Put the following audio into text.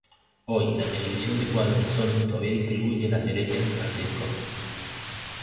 Hoy, la televisión de los cuadros de Sony todavía distribuye las derechas al sitcom.